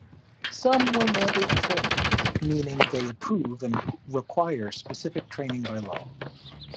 Some will mandate training, meaning they approve and require specific training by law.